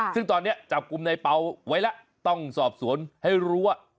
ซึ่งตอนนี้จับกลุ่มในเปล่าไว้แล้วต้องสอบสวนให้รู้ว่า